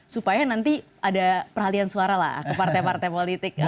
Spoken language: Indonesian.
supaya nanti ada peralihan suara lah ke partai partai politik